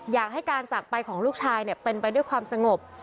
อยากให้การจากไปของลูกชายเป็นไปด้วยความสงบ